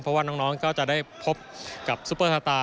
เพราะว่าน้องก็จะได้พบกับซุปเปอร์สตาร์